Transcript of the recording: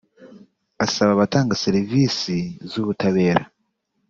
Asaba abatanga serivisi z’ubutabera